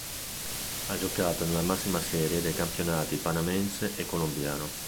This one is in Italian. Ha giocato nella massima serie dei campionati panamense e colombiano.